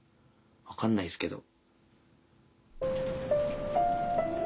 分かんないっすけど。